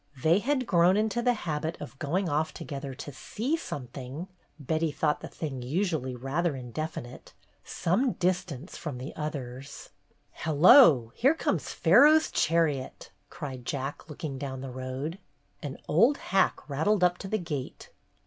They had grown into the habit of going off together "to see something" — Betty thought the thing usually rather indefinite — some distance from the others. "Hello! Here comes Pharaoh's chariot!" cried Jack, looking down the road. An old hack rattled up to the gate.